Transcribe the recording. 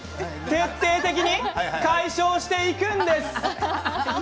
徹底的に解消していくんです！